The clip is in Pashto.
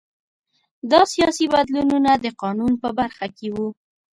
دا سیاسي بدلونونه د قانون په برخه کې وو